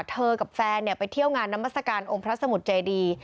กับแฟนไปเที่ยวงานนามัศกาลองค์พระสมุทรเจดี